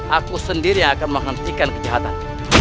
aku sendiri yang akan menghentikan kejahatan